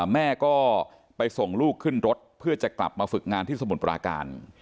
แม่ก็ไปส่งลูกขึ้นรถเพื่อจะกลับมาฝึกงานที่สมุทรปราการ